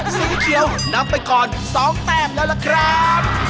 สีเขียวนำไปก่อน๒แต้มแล้วล่ะครับ